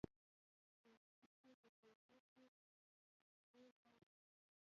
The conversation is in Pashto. پوستکی د تودوخې د آخذې ځای دی.